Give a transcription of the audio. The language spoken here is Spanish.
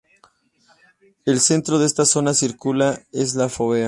El centro de esta zona circular es la fóvea.